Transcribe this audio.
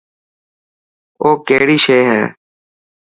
او ڪهڙي شي هي.